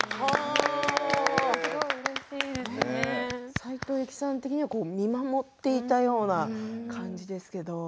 斉藤由貴さん的には見守っているような感じが好きですね。